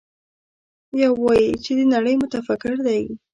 يو وايي چې د نړۍ متفکر دی.